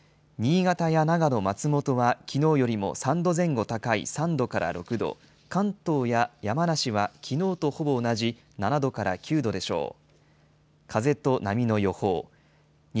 新潟や長野・松本はきのうよりも３度前後高い３度から６度、関東や山梨はきのうとほぼ同じ７度から９度でしょう。